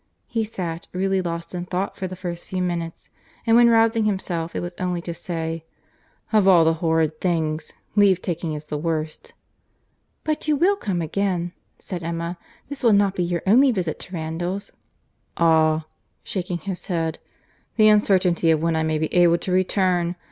He sat really lost in thought for the first few minutes; and when rousing himself, it was only to say, "Of all horrid things, leave taking is the worst." "But you will come again," said Emma. "This will not be your only visit to Randalls." "Ah!—(shaking his head)—the uncertainty of when I may be able to return!